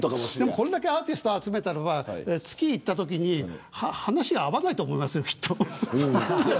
これだけアーティストを集めたら月に行ったとき話が合わないと思いますよ。